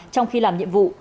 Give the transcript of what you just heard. trong khi làm nhiệm vụ